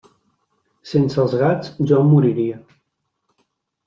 Sense els gats jo em moriria.